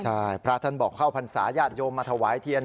ใช่พระท่านบอกเข้าพรรษาญาติโยมมาถวายเทียน